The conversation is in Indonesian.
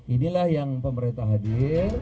inilah yang pemerintah hadir